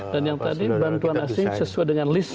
dan yang tadi bantuan asing sesuai dengan list